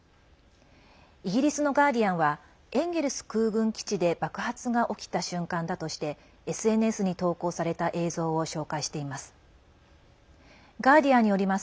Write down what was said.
イギリスのガーディアンはエンゲルス空軍基地で爆発が起きた瞬間だとしてＳＮＳに投稿された映像を紹介しています。